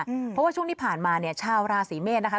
เพราะว่าช่วงที่ผ่านมาเนี่ยชาวราศีเมษนะคะ